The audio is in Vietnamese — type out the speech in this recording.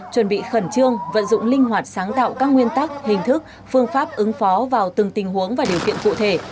chuẩn bị khẩn trương vận dụng linh hoạt sáng tạo các nguyên tắc hình thức phương pháp ứng phó vào từng tình huống và điều kiện cụ thể